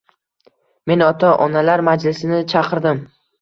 Men ota-onalar majlisini chaqirdim.